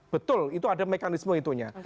betul itu ada mekanisme itunya